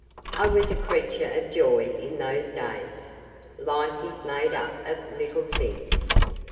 I was a creature of joy in those days. Life is made up of little things.